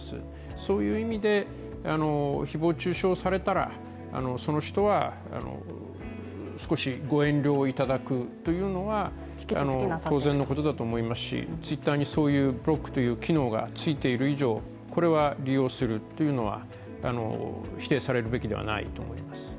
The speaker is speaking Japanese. そういう意味で、誹謗中傷されたらその人は少し御遠慮をいただくというのは当然のことだと思いますしＴｗｉｔｔｅｒにそういうブロックという機能がついている以上、これは利用するというのは否定されるべきではないと思います。